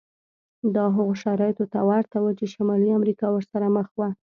دا هغو شرایطو ته ورته و چې شمالي امریکا ورسره مخ وه.